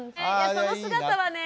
その姿はね